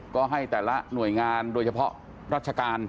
ก็ให้แต่ละหน่วยงานโดยเฉพาะราชการ